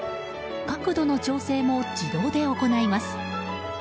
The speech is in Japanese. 角度の調整も自動で行います。